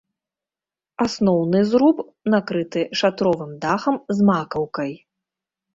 Асноўны зруб накрыты шатровым дахам з макаўкай.